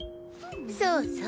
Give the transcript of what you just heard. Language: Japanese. そうそう。